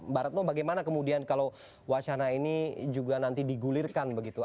mbak retno bagaimana kemudian kalau wacana ini juga nanti digulirkan begitu